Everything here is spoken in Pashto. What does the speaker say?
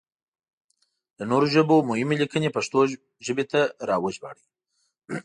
له نورو ژبو مهمې ليکنې پښتو ژبې ته راوژباړئ!